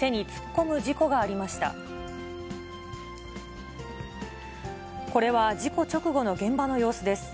これは事故直後の現場の様子です。